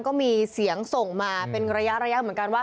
ก็มีเสียงส่งมาเป็นระยะเหมือนกันว่า